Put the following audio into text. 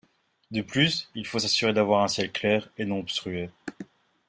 De plus, il faut s'assurer d'avoir un ciel clair et non obstrué.